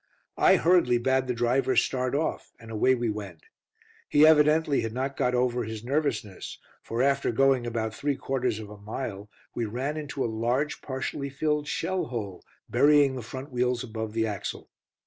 I hurriedly bade the driver start off, and away we went. He evidently had not got over his nervousness, for, after going about three quarters of a mile, we ran into a large, partially filled shell hole, burying the front wheels above the axle.